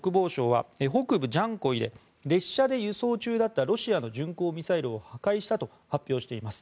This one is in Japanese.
ウクライナの国防省は北部ジャンコイで列車で輸送中だったロシアの巡航ミサイルを破壊したと発表しています。